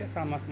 ini sama semua